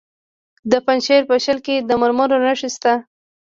د پنجشیر په شتل کې د مرمرو نښې شته.